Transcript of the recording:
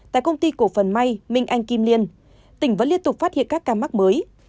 tại công ty cổ phần may minh anh kim liên tỉnh vẫn liên tục phát hiện các ca mắc mới